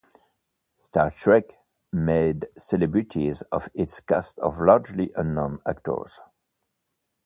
"Star Trek" made celebrities of its cast of largely unknown actors.